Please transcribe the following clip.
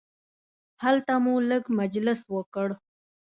هلته مو لږ مجلس وکړ.